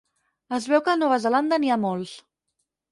Es veu que a Nova Zelanda n'hi ha molts.